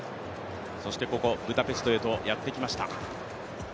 そしてここブダペストへとやってきました。